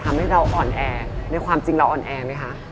ทำให้เราอ่อนแอในความจริงเราอ่อนแอไหมคะ